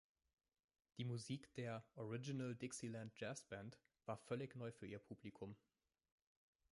Die Musik der "Original Dixieland Jass Band" war völlig neu für ihr Publikum.